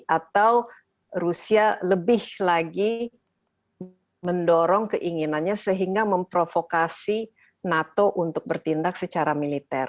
atau rusia lebih lagi mendorong keinginannya sehingga memprovokasi nato untuk bertindak secara militer